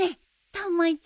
たまちゃん。